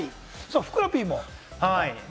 ふくらＰも？